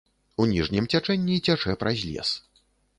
У ніжнім цячэнні цячэ праз лес.